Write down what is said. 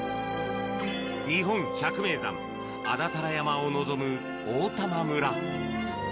日本百名山、安達太良山を望む、大玉村。